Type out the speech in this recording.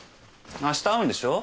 あした会うんでしょ？